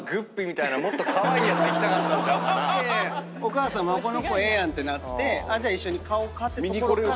いやいやお母さんも「この子ええやん」ってなってじゃあ一緒に飼おうかってところから。